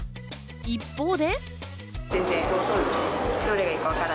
一方で。